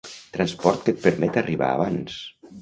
Transport que et permet arribar abans.